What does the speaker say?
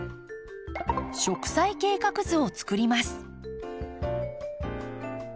植栽計画図をつくります。